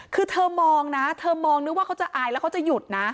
คือเธอมองนะเธอมองนึกว่าเขาจะอายแล้วเขาจะหยุดนะ